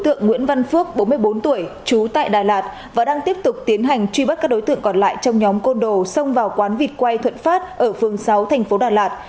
đối tượng nguyễn văn phước bốn mươi bốn tuổi trú tại đà lạt và đang tiếp tục tiến hành truy bắt các đối tượng còn lại trong nhóm côn đồ xông vào quán vịt quay thuận phát ở phường sáu thành phố đà lạt